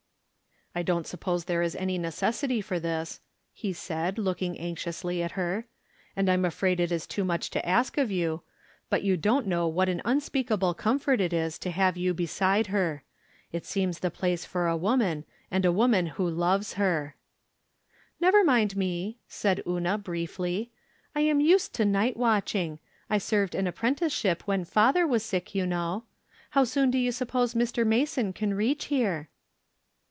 " I don't suppose there is any necessity for this," he said, looking anxiously at her. " And I'm afraid From Different Standpoints, 193 it is too much to ask of you; but you don't know what an unspeakable comfort it is to have you beside her. It seems the place for a woman, and a woman who loves her." " Uever niuid me," said Una, briefly. " I am used to night watching ; I served an apprentice ship when father was sick, you know. How soon do you suppose Dr. Mason can reach here